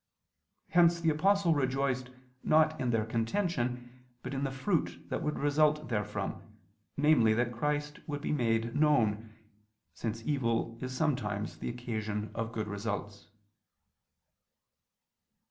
Hence the Apostle rejoiced not in their contention, but in the fruit that would result therefrom, namely that Christ would be made known since evil is sometimes the occasion of good results.